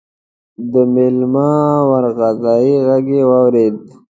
د مېلمه وارخطا غږ يې واورېد: